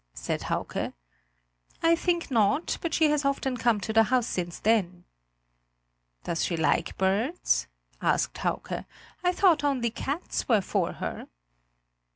said Hauke. "I think not; but she has often come to the house since then." "Does she like birds?" asked Hauke; "I thought only cats were for her."